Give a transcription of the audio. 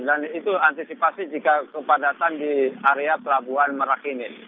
dan itu antisipasi jika kepadatan di area kelabuan merak ini